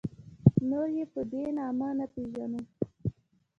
نور یې په دې نامه نه پېژنو.